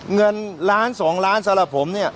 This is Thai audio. เงินล้าน๒ล้านสำหรับผมเนี่ย